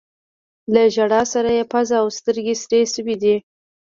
له ژړا سره يې پزه او سترګې سرې شوي وې.